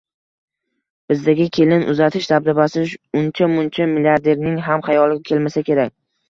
Bizdagi kelin uzatish dabdabasi uncha-muncha milliarderning ham xayoliga kelmasa kerak